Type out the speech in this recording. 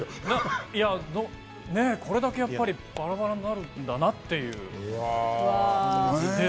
これだけやっぱり、バラバラになるんだなっていう。